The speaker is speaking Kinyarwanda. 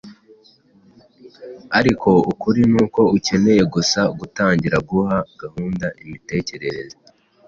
Ariko ukuri ni uko ukeneye gusa gutangira guha gahunda imitekerereze